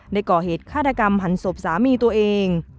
ได้ก่อเหตุฆาตกรรมหันศพสามีตัวเอง